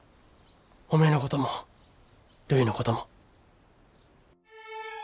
おめえのこともるいのことも。